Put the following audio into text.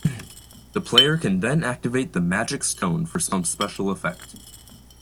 The player can then activate the Magic Stone for some special effect.